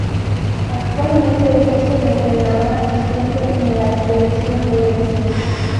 Actualmente ejerce de entrenador asistente en la selección de Grecia.